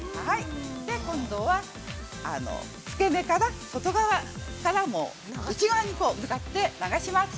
今度は、つけ根から、外側内側に向かって流します。